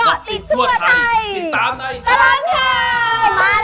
เกาะอีกทั่วไทยติดตามในตรงค่ะมาแล้วจ้ามาแล้วมาแล้ว